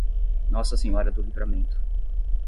Nossa Senhora do Livramento